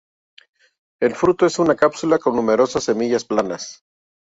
El fruto es una cápsula con numerosas semillas planas.